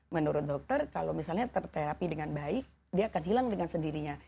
menurut dokter kalau misalnya terterapi dengan baik dia akan hilang dengan sendirinya